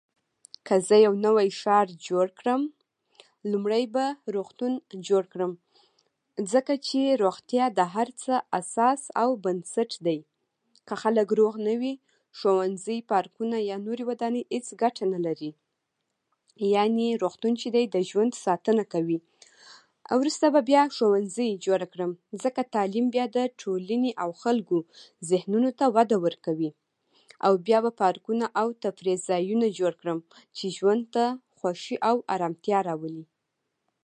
که زه یو نوی ښار جوړ کړم، لومړی به روغتون جوړ کړم، ځکه چې روغتیا د هر څه اساس او بنسټ دی. که خلک روغ نه وي، ښوونځي، پارکونه یا نورې ودانۍ هېڅ ګټه نه لري. یعنې روغتون چې دی، د ژوند ساتنه کوي، او وروسته بیا ښوونځی جوړ کړم، ځکه تعلیم بیا د ټولنې او خلکو ذهنونو ته وده ورکوي. او بیا به پارکونه او تفریحي ځایونه جوړ کړم، چې ژوند ته خوښي او ارامتیا راولي.